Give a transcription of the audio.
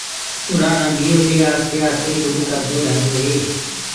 اُرآ رنڀيو دي آستي آستي گُڏ ڪردو ريندوئي